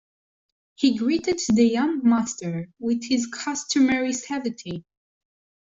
He greeted the young master with his customary suavity.